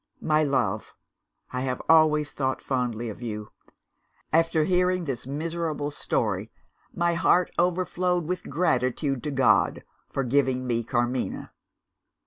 "My love, I have always thought fondly of you. After hearing this miserable story, my heart overflowed with gratitude to God for giving me Carmina.